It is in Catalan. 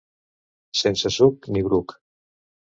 Sense suc ni bruc.